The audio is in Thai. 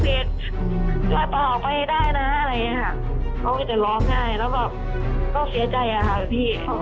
เขาก็จะร้องไห้แล้วก็เศร้าใจค่ะพี่